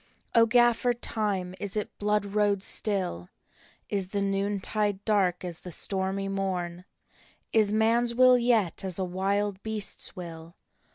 " O Gaffer Time, is it blood road still? Is the noontide dark as the stormy morn? Is man s will yet as a wild beast s will?